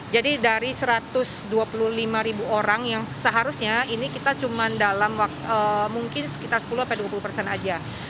jadi dari satu ratus dua puluh lima ribu orang yang seharusnya ini kita cuma dalam mungkin sekitar sepuluh dua puluh persen saja